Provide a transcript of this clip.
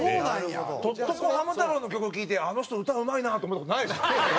『とっとこハム太郎』の曲聴いてあの人歌うまいなって思った事ないですもん。